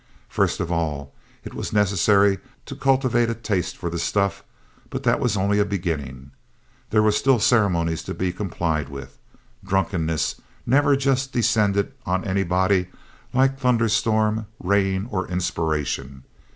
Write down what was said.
First of all, it was necessary to cultivate a taste for the stuff, but that was only a beginning. There were still ceremonies to be complied with. Drunkenness never just descended on anybody like thunderstorm, rain or inspiration.